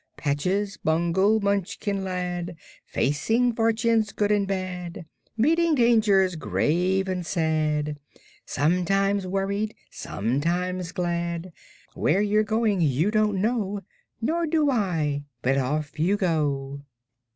Patches, Bungle, Munchkin lad, Facing fortunes good and bad, Meeting dangers grave and sad, Sometimes worried, sometimes glad Where you're going you don't know, Nor do I, but off you go!"